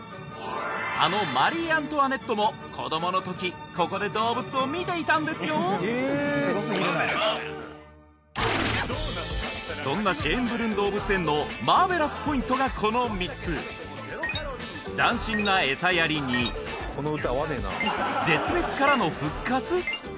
あのマリー・アントワネットも子供の時ここで動物を見ていたんですよええすごすぎるなそんなシェーンブルン動物園のマーベラスポイントがこの３つ斬新なエサやりに絶滅からの復活？